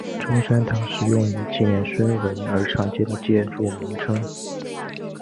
中山堂是用以纪念孙文而常见的建筑名称。